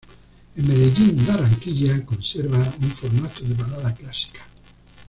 En Medellín y Barranquilla, conserva un formato de balada clásica.